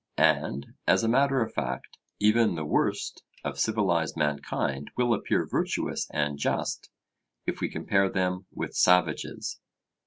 And, as a matter of fact, even the worst of civilized mankind will appear virtuous and just, if we compare them with savages.